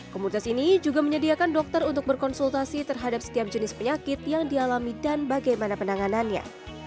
komunitas ini juga menyediakan dokter untuk berkonsultasi terhadap setiap jenis penyakit yang dialami dan bagaimana penanganannya